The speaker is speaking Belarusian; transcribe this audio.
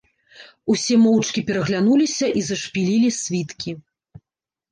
Усе моўчкі пераглянуліся і зашпілілі світкі.